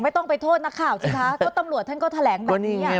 ไม่ต้องไปโทษนักข่าวจริงค่ะก็ตำลวจท่านก็แถลงแบบเนี้ย